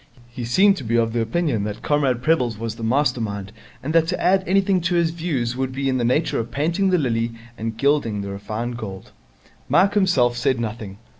He seemed to be of the opinion that Comrade Prebble's was the master mind and that to add anything to his views would be in the nature of painting the lily and gilding the refined gold. Mike himself said nothing.